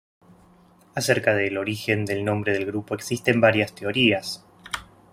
Acerca del origen del nombre del grupo existen varias teorías.